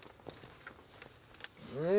うん！